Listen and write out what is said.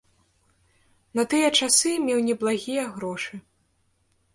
На тыя часы меў неблагія грошы.